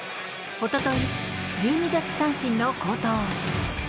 おととい、１２奪三振の好投。